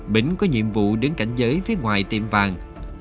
bính có nhiệm vụ đứng cảnh giới phía ngoài tiệm vàng